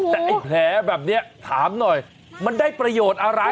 แต่ไอ้แผลแบบนี้ถามหน่อยมันได้ประโยชน์อะไร